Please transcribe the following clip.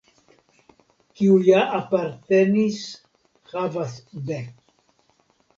Kiu ja apartenis havas de.